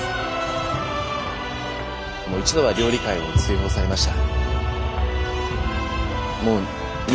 もう一度は料理界を追放されました。